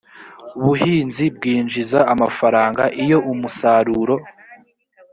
buhinzi bwinjiza amafaranga iyo umusaruro